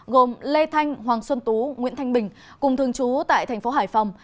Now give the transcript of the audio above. gồm lê thanh hoàng xuân tú nguyễn thanh bình cùng thường trú tại tp hải phòng